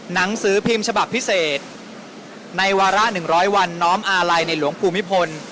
หนังสือพิมพ์ฉบับพิเศษในวาระ๑๐๐วันน้อมอาลัยในหลวงภูมิพล